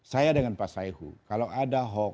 saya dengan pak saeho kalau ada